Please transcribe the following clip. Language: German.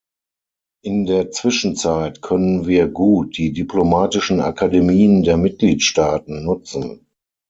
In der Zwischenzeit können wir gut die diplomatischen Akademien der Mitgliedstaaten nutzen.